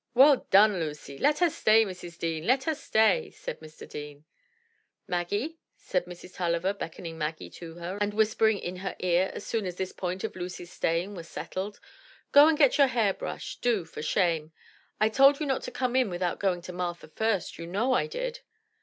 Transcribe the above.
"Well done, Lucy! Let her stay, Mrs. Deane, let her stay," said Mr. Deane. "Maggie," said Mrs. Tulliver, beckoning Maggie to her and whispering in her ear as soon as this point of Lucy's staying was settled, "go and get your hair brushed, do, for shame. I told you not to come in without going to Martha first; you know I did."